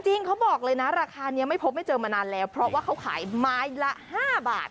จริงเขาบอกเลยนะราคานี้ไม่พบไม่เจอมานานแล้วเพราะว่าเขาขายไม้ละ๕บาท